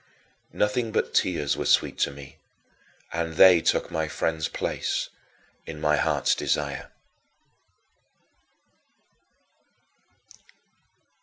Nothing but tears were sweet to me and they took my friend's place in my heart's desire.